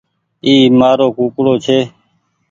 اي مآرو ڪوڪڙو ڇي۔